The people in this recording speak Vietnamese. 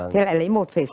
thế lại lấy một sáu mươi tám